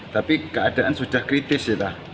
tapi keadaan sudah kritis